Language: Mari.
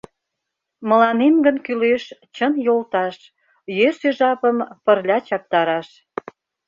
Мыланем гын кӱлеш чын йолташ, Йӧсӧ жапым пырля чактараш.